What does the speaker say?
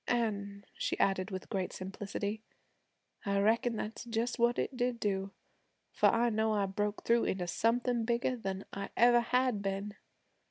An',' she added with great simplicity, 'I reckon that's just what it did do, for I know I broke through into something bigger than I ever had been.